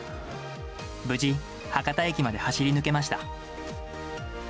無事、博多駅まで走り抜けました。